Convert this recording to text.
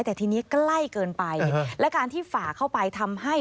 แต่ทีนี้ใกล้เกินไปและการที่ฝ่าเข้าไปทำให้